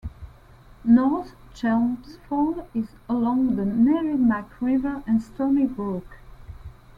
North Chelmsford is along the Merrimack River and Stony Brook.